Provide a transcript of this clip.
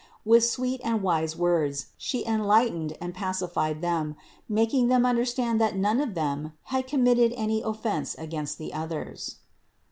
With sweet and wise words She enlightened and pacified them, making them understand that none of them had committed any offense against the others.